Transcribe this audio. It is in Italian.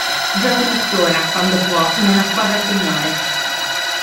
Gioca tuttora, quando può, in una squadra "seniores".